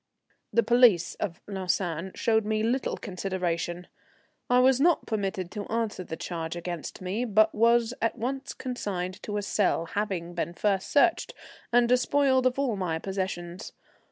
The police of Lausanne showed me little consideration. I was not permitted to answer the charge against me, but was at once consigned to a cell, having been first searched and despoiled of all my possessions.